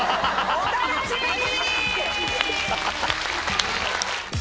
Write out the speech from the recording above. お楽しみに！